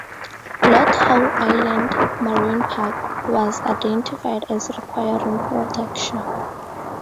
Lord Howe Island Marine park was identified as requiring protection.